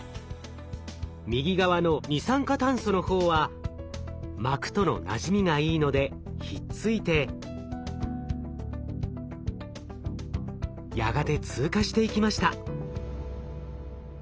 右側の二酸化炭素の方は膜とのなじみがいいのでひっついてやがて通過していきました。